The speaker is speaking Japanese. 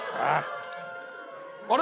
あれ？